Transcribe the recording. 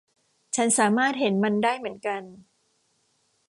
ฉันสามารถเห็นมันได้เหมือนกัน